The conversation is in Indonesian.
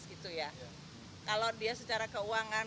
mengajukan kekuatan bpjs kesehatan